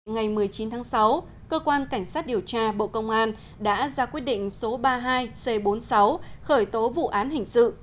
ngày một mươi chín tháng sáu cơ quan cảnh sát điều tra bộ công an đã ra quyết định số ba mươi hai c bốn mươi sáu khởi tố vụ án hình sự